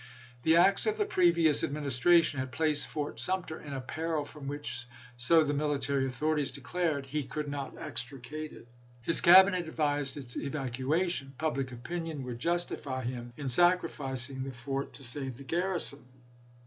The acts of the previous Ad ministration had placed Fort Sumter in a peril from which, so the military authorities declared, he could not extricate it. His Cabinet advised its evacuation. Public opinion would justify him in sacrificing the fort to save the garrison.